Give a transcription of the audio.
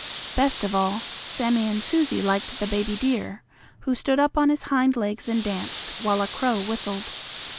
Best of all, Sammie and Susie liked the baby deer, who stood up on his hind legs and danced, while a crow whistled.